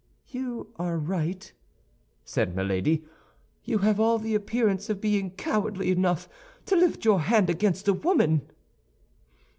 "You are right," said Milady. "You have all the appearance of being cowardly enough to lift your hand against a woman."